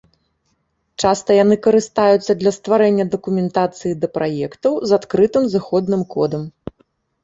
Часта яны карыстаюцца для стварэння дакументацыі да праектаў з адкрытым зыходным кодам.